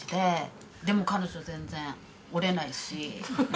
でも彼女全然折れないし。